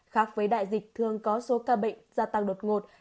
khác với đại dịch thường có số ca bệnh gia tăng đột ngột